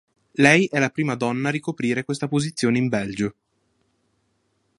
Lei è la prima donna a ricoprire questa posizione in Belgio.